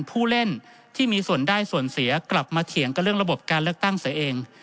ผู้เล่นที่มีส่วนได้ส่วนเสียกลับมาเถียงกับเรื่องระบบการเลือกตั้งเสียเอง